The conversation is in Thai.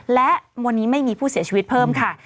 และวันนี้ไม่มีผู้เสียชีวิตเพิ่มค่ะ